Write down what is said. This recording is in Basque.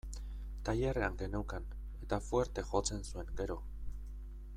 Tailerrean geneukan, eta fuerte jotzen zuen, gero.